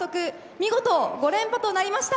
見事５連覇となりました。